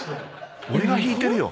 俺が引いてるよ。